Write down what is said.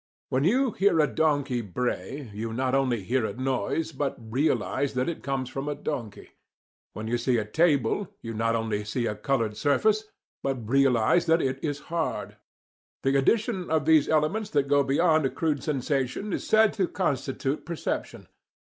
When you hear a donkey bray, you not only hear a noise, but realize that it comes from a donkey. When you see a table, you not only see a coloured surface, but realize that it is hard. The addition of these elements that go beyond crude sensation is said to constitute perception.